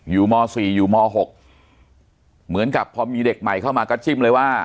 ม๔อยู่ม๖เหมือนกับพอมีเด็กใหม่เข้ามาก็จิ้มเลยว่า